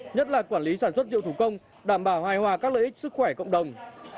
nhất là quản lý sản xuất rượu thủ công đảm bảo hài hòa các lợi ích sức khỏe cộng đồng